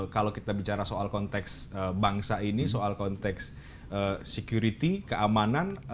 kalau kita bicara soal konteks bangsa ini soal konteks security keamanan